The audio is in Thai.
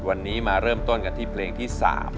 วันนี้มาเริ่มต้นกันที่เพลงที่๓